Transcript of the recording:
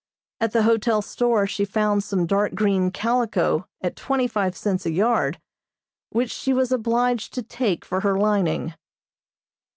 At the hotel store she found some dark green calico at twenty five cents a yard, which she was obliged to take for her lining.